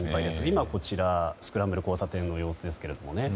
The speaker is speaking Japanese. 今、スクランブル交差点の様子ですけれどもね。